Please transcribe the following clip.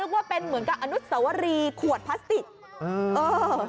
ว่าเป็นเหมือนกับอนุสวรีขวดพลาสติกเออเออ